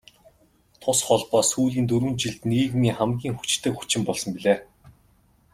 Тус холбоо сүүлийн дөрвөн жилд нийгмийн хамгийн хүчтэй хүчин болсон билээ.